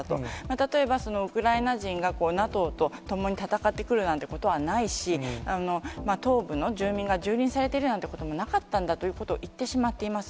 例えばウクライナ人がＮＡＴＯと共に戦ってくるなんてことはないし、東部の住民がじゅうりんされているなんていうこともなかったんだということを言ってしまっています。